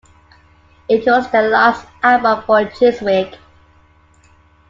It was their last album for Chiswick.